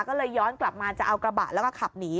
ก็เลยย้อนกลับมาจะเอากระบะแล้วก็ขับหนี